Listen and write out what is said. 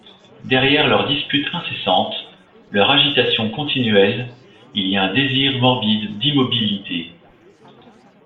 Derrière leurs disputes incessantes, leur agitation continuelle, il y a un désir morbide d'immobilité...